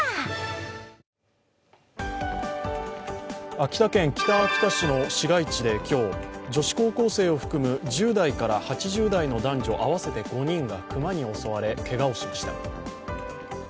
秋田県北秋田市の市街地で今日、女子高校生を含む１０代から８０代の男女合わせて５人が熊に襲われ、けがをしました。